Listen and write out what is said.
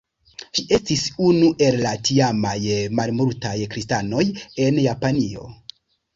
Ŝi estis unu el la tiamaj malmultaj kristanoj en Japanio.